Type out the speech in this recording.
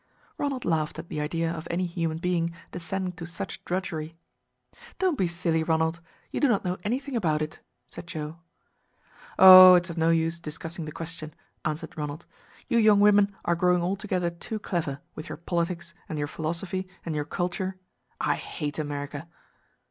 Ronald laughed at the idea of any human being descending to such drudgery. "Don't be silly, Ronald. You do not know anything about it," said Joe. "Oh, it is of no use discussing the question," answered Ronald. "You young women are growing altogether too clever, with your politics, and your philosophy, and your culture. I hate America!"